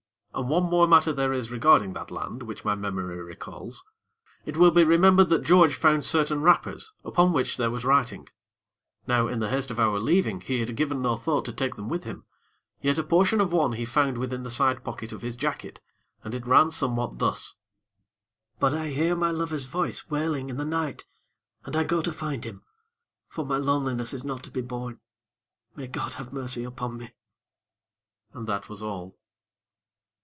And one more matter there is regarding that land, which my memory recalls. It will be remembered that George found certain wrappers upon which there was writing. Now, in the haste of our leaving, he had given no thought to take them with him; yet a portion of one he found within the side pocket of his jacket, and it ran somewhat thus: "But I hear my lover's voice wailing in the night, and I go to find him; for my loneliness is not to be borne. May God have mercy upon me!" And that was all.